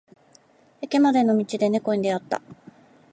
駅までの道で猫に出会った。